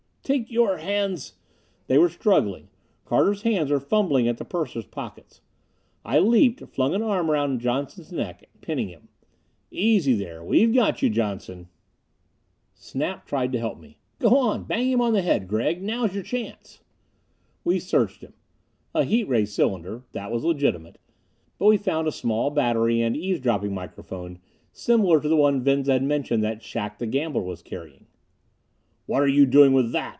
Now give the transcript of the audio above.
"Take your hands! " They were struggling. Carter's hands were fumbling at the purser's pockets. I leaped, flung an arm around Johnson's neck, pinning him. "Easy there! We've got you, Johnson!" Snap tried to help me. "Go on, bang him on the head, Gregg. Now's your chance!" We searched him. A heat ray cylinder that was legitimate. But we found a small battery and eavesdropping microphone similar to the one Venza had mentioned that Shac the gambler was carrying. "What are you doing with that?"